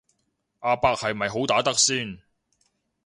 阿伯係咪好打得先